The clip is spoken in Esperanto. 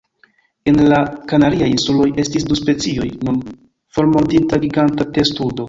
En la Kanariaj Insuloj estis du specioj nun formortinta giganta testudo.